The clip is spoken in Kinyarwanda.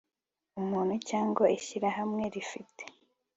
umuntu cyangwa ishyirahamwe rifite